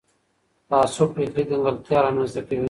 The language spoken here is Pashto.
تعصب فکري کنګلتیا رامنځته کوي